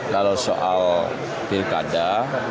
lalu soal pilkada